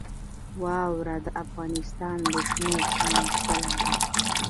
واوره د افغانستان د شنو سیمو ښکلا ده.